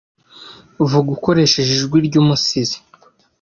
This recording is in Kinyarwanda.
vuga ukoresheje ijwi ry'umusizi